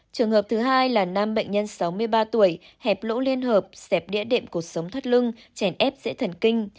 trường hợp thứ hai là nam bệnh nhân sáu mươi ba tuổi hẹp lỗ liên hợp xẹp địa điểm cuộc sống thoát lưng chèn ép dễ thần kinh